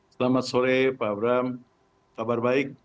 selamat sore pak abraham kabar baik